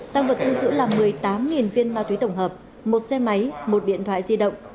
tăng vật thu giữ là một mươi tám viên ma túy tổng hợp một xe máy một điện thoại di động